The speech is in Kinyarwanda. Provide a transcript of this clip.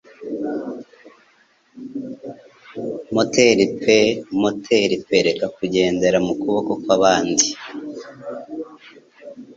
Moteri pe moteri pereka kugendera mukuboko kwabandi